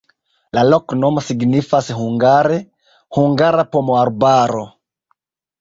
La loknomo signifas hungare: hungara-pomoarbaro.